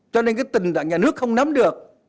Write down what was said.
cho nên cái tình nhà nước không nắm được